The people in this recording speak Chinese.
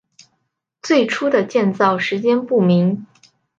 最初的建造时间不明。